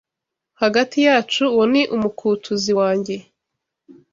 Hagati yacu, uwo ni umukuTUZI wanjye.